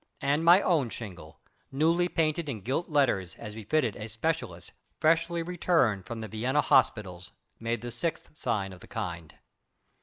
And my own shingle newly painted in gilt letters as befitted a specialist freshly returned from the Vienna hospitals made the sixth sign of the kind.